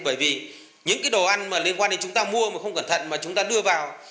bởi vì những cái đồ ăn mà liên quan đến chúng ta mua mà không cẩn thận mà chúng ta đưa vào